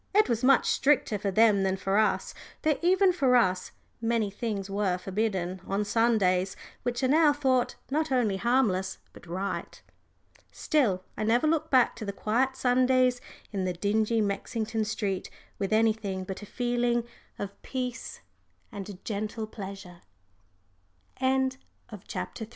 It was much stricter for them than for us, though even for us many things were forbidden on Sundays which are now thought not only harmless but right. Still, I never look back to the quiet Sundays in the dingy Mexington street with anything but a feeling of peace and gentle pleasure. CHAPTER IV.